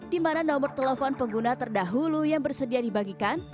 dimana nomor telepon pengguna terdahulu yang bersedia dibagikan